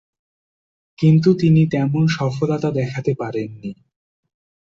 কিন্তু তিনি তেমন সফলতা দেখাতে পারেননি।